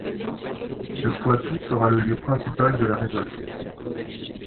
Le Poitou sera le lieu principal de la révolte.